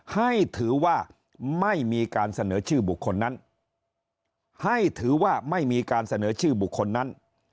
ให้ถือว่าไม่มีการเสนอชื่อบุคคลนั้นให้ถือว่าไม่มีการเสนอชื่อบุคคลนั้น